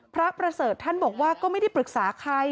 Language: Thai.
พระประเสริฐท่านบอกว่าก็ไม่ได้ปรึกษาใคร